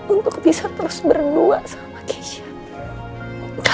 untuk bisa terus berdua sama keisha